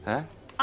あ！